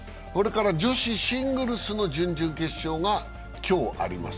女子シングルスの準々決勝が今日あります。